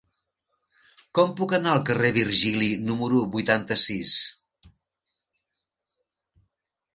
Com puc anar al carrer de Virgili número vuitanta-sis?